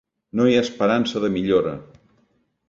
No hi ha esperança de millora.